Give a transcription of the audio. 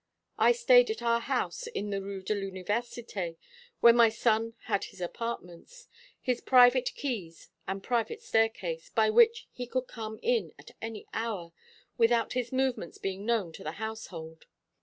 I stayed at our house in the Rue de l'Université, where my son had his apartments, his private keys and private staircase, by which he could come in at any hour, without his movements being known to the household.